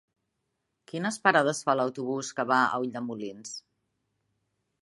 Quines parades fa l'autobús que va a Ulldemolins?